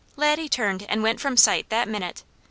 Laddie turned and went from sight that minute.